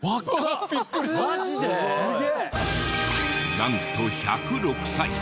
なんと１０６歳！